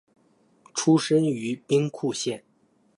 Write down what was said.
出身于兵库县。